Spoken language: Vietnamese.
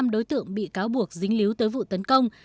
năm đối tượng bị cáo buộc dính líu tới vụ tấn công